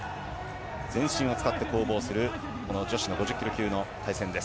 全身を使って攻防する女子５０ｋｇ級の対戦です。